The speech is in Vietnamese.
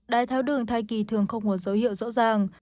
đái tháo đường thai kỳ thường không có dấu hiệu rõ ràng